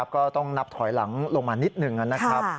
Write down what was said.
ก็ต้องนับถอยหลังลงมานิดหนึ่งนะครับ